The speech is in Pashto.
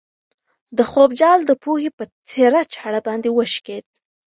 د خوب جال د پوهې په تېره چاړه باندې وشکېد.